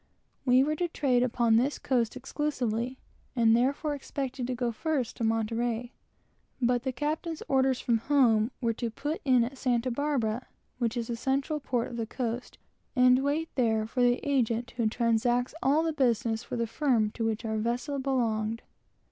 We were to trade upon this coast exclusively, and therefore expected to go to Monterey at first; but the captain's orders from home were to put in at Santa Barbara, which is the central port of the coast, and wait there for the agent who lives there, and transacts all the business for the firm to which our vessel belonged.